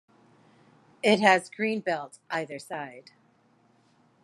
It has green belt either side.